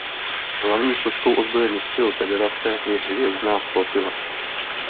Hlavní složkou ozbrojených sil Federace je Hvězdná flotila.